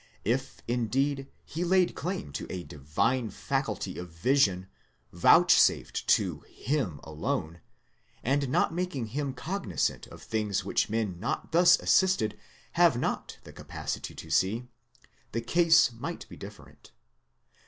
If, indeed, he laid claim to a divine faculty of vision, vouchsafed to him alone, and making him cognizant of things which men not thus assisted have not the capacity to see, the case might be different.